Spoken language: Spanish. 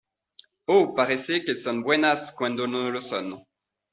o parece que son buenas cuando no lo son.